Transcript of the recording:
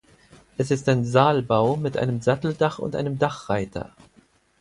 Es ist ein Saalbau mit einem Satteldach und einem Dachreiter.